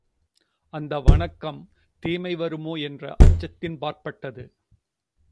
அந்த வணக்கம் தீமை வருமோ என்ற அச்சத்தின் பாற்பட்டது.